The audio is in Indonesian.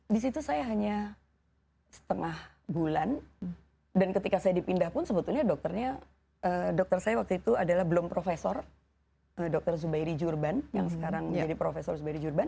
di situ saya hanya setengah bulan dan ketika saya dipindah pun sebetulnya dokternya dokter saya waktu itu adalah belum profesor dr zubairi jurban yang sekarang menjadi profesor zubairi jurban